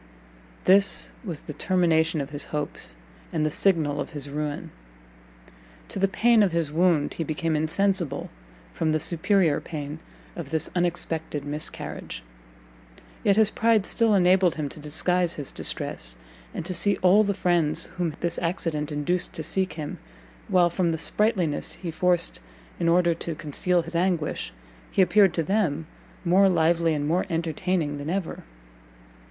This was the termination of his hopes, and the signal of his ruin! To the pain of his wound he became insensible, from the superior pain of this unexpected miscarriage; yet his pride still enabled him to disguise his distress, and to see all the friends whom this accident induced to seek him, while from the sprightliness he forced in order to conceal his anguish, he appeared to them more lively and more entertaining than ever.